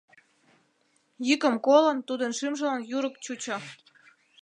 Йӱкым колын, тудын шӱмжылан юрык чучо.